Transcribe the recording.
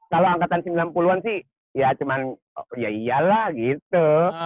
kalau angkatan sembilan puluh an sih ya cuman ya iyalah gitu